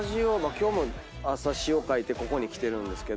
今日も朝詞を書いてここに来てるんですけど。